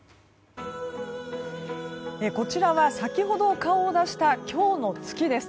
こちらは先ほど顔を出した今日の月です。